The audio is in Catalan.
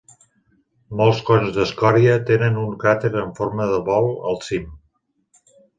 Molts cons d'escòria tenen un cràter amb forma de bol al cim.